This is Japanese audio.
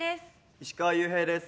石川裕平です。